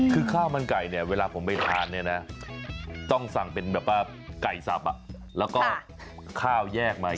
คือข้าวมันไก่เนี่ยเวลาผมไปทานเนี่ยนะต้องสั่งเป็นแบบว่าไก่สับแล้วก็ข้าวแยกใหม่